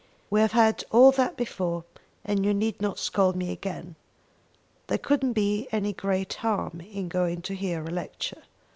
"We have had all that before, and you need not scold me again. There couldn't be any great harm in going to hear a lecture."